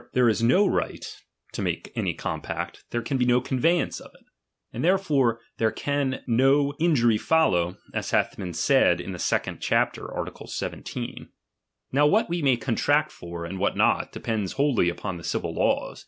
there is no right to make any compact, there can be no conveyance of it, and therefore there can no injury follow, as hath been said in the second chapter, Article 1 7. Now what we may contract for, and what not, depends wholly upon the civil laws.